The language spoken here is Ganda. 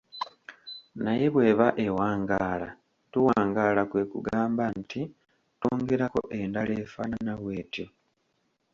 Naye bw’eba ewangaala tuwangaala kwe kugamba nti twongerako endala efaanana bw’etyo.